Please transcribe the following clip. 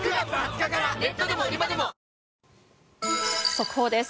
速報です。